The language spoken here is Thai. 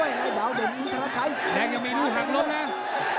ตอนนี้มันถึง๓